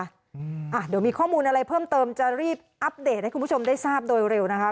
เดี๋ยวมีข้อมูลอะไรเพิ่มเติมจะรีบอัปเดตให้คุณผู้ชมได้ทราบโดยเร็วนะคะ